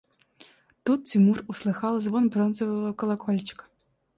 Тут Тимур услыхал звон бронзового колокольчика.